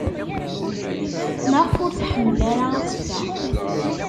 Maɣef ur tḥemmel ara ad teffeɣ?